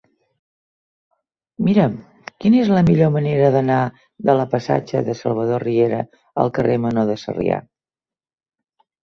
Mira'm quina és la millor manera d'anar de la passatge de Salvador Riera al carrer Menor de Sarrià.